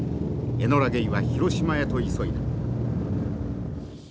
エノラ・ゲイは広島へと急いだ。